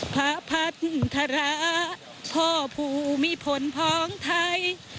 พระพัฒนธระพ่อภูมิพลของไทย